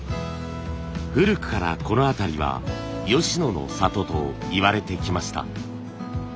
古くからこの辺りは吉野の里といわれてきました。